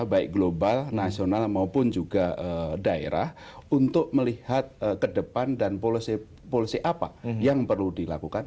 baik global nasional maupun juga daerah untuk melihat ke depan dan policy apa yang perlu dilakukan